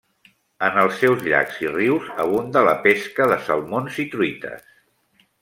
En els seus llacs i rius abunda la pesca de salmons i truites.